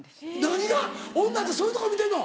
何が⁉女ってそういうとこ見てんの？